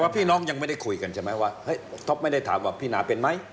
พี่น้องยังไม่ได้คุยกันใช่ไหมว่าเฮ้ยท็อปไม่ได้ถามว่าพี่นาเป็นไหม